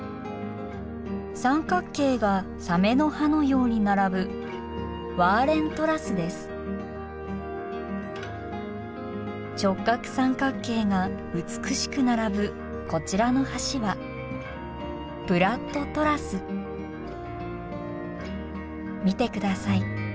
三角形がサメの歯のように並ぶ直角三角形が美しく並ぶこちらの橋は見てください